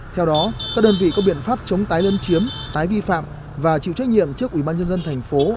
theo đó các đơn vị có biện pháp chống tái lân chiếm tái vi phạm và chịu trách nhiệm trước ủy ban nhân dân thành phố